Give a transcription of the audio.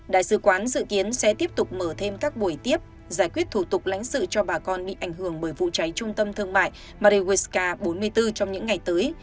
đại sứ quán dự kiến sẽ tiếp tục mở thêm các buổi tiếp giải quyết thủ tục lãnh sự cho bà con bị ảnh hưởng bởi vụ cháy trung tâm thương mại mariska bốn mươi bốn trong những ngày tới